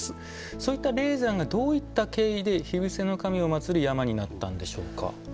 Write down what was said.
そういった霊山がどういった経緯で火伏せの神を祭る山になったんでしょうか。